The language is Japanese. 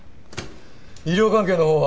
医療関係の方は？